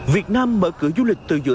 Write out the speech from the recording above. việt nam mở cửa du lịch từ giữa